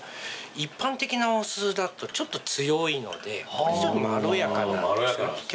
一般的なお酢だとちょっと強いのでまろやかな結構。